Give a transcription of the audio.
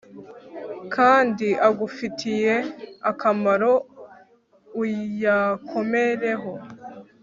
kandi agufitiye akamaro, uyakomereho